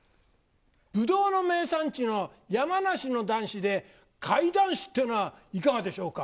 ブドウの名産地の山梨の男子で、かい男子っていうのはいかがでしょうか。